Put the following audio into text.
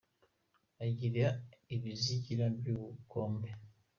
Agira ibizigira by’ubukombe